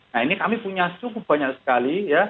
nah ini kami punya cukup banyak sekali ya